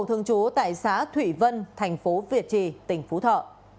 thương chú tại xã thủy vân thành phố việt trì tỉnh phú thọ